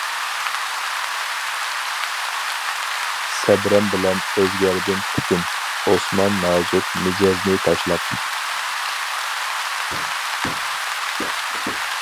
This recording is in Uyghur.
سەبرەم بىلەن ئۆزگەردىم پۈتۈن، ئوسمان نازۇك مىجەزنى تاشلاپ.